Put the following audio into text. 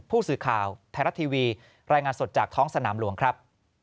ผู้สื่อข่าวไทยรัฐทีวีรายงานสดจากท้องสนามหลวงครับ